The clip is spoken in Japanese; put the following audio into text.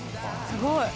すごい。